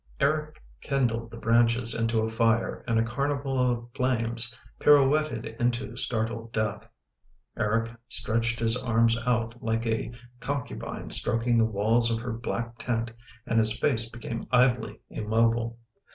Eric kindled the branches into a fire, and a carnival of flames pirouetted into startled death. Eric stretched his arms out, like a concu bine stroking the walls of her black tent, and his face became idly immobile.